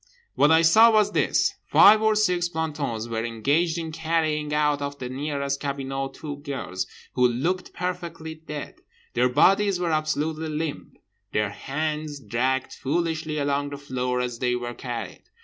What I saw was this: five or six plantons were engaged in carrying out of the nearest cabinot two girls, who looked perfectly dead. Their bodies were absolutely limp. Their hands dragged foolishly along the floor as they were carried.